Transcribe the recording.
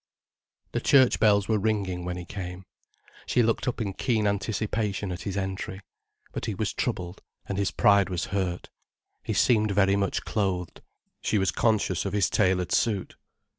The church bells were ringing when he came. She looked up in keen anticipation at his entry. But he was troubled and his pride was hurt. He seemed very much clothed, she was conscious of his tailored suit.